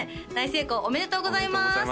大成功おめでとうございます